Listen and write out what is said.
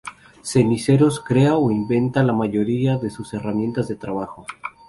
Ceniceros crea o inventa la mayoría de sus herramientas de trabajo.